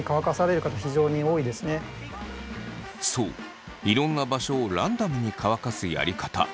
そういろんな場所をランダムに乾かすやり方。